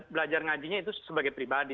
belajar ngajinya itu sebagai pribadi